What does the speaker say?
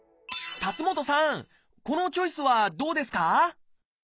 辰元さんこのチョイスはどうですか？